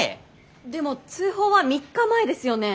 でも通報は３日前ですよね？